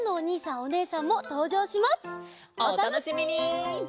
おたのしみに！